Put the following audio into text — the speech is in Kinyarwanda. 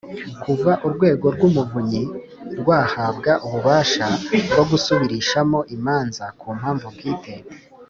Kuva Urwego rw’ Umuvunyi rwahabwa ububasha bwo gusubirishamo imanza ku mpamvu bwite